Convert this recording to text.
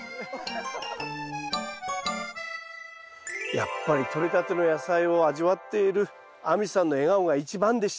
やっぱりとれたての野菜を味わっている亜美さんの笑顔が一番でした！